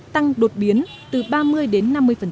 tăng đột biến từ ba mươi đến năm mươi